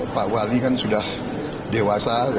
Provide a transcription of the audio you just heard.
pak wali kan sudah dewasa